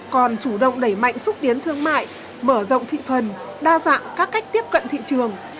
còn chủ động đẩy mạnh xúc tiến thương mại mở rộng thị phần đa dạng các cách tiếp cận thị trường